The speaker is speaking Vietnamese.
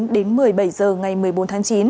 đến một mươi bảy h ngày một mươi bốn tháng chín